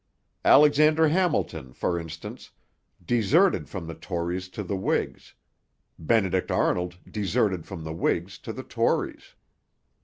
Alexander Hamilton, for instance, deserted from the Tories to the Whigs; Benedict Arnold deserted from the Whigs to the Tories.